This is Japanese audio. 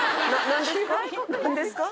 何ですか？